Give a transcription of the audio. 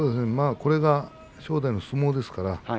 これが正代の相撲です。